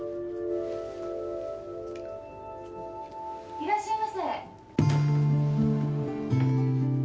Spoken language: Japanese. ・いらっしゃいませ。